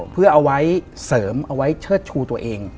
เพื่อเอาไว้เสริมเอาไว้เชิดชูตัวเอง